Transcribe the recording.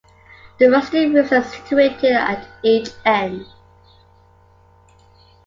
The rustic rooms are situated at each end.